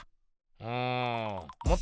うん。